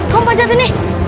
kamu panjat ini